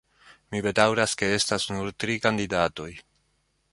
Mi bedaŭras ke estas nur tri kandidatoj.